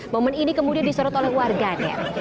momen ini kemudian disorot oleh warganet